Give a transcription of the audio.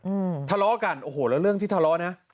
อืมทะเลาะกันโอ้โหแล้วเรื่องที่ทะเลาะนะ